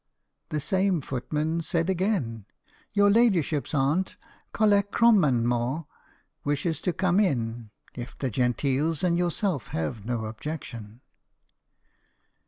The same footman said again, "Your ladyship's aunt, Colliach Cromanmōr, wishes to come in, if the genteels and yourself have no objection."